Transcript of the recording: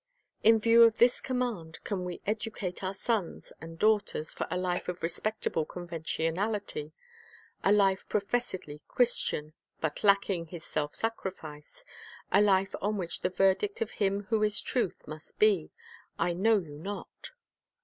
In view of this command, can we educate our sons and daughters for a life of respectable conventionality, a life professedly Christian, but lacking His self sacrifice, a life on which the verdict of Him who is truth must be, "I know you not"?